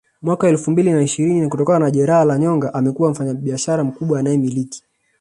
mwaka elfu mbili na ishirini kutokana na jeraha la nyonga amekuwa mfanyabishara mkubwa anayemiliki